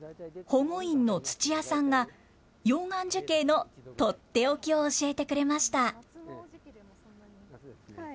保護員の土屋さんが、溶岩樹型の取って置きを教えてくれました。